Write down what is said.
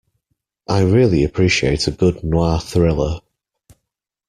I really appreciate a good noir thriller.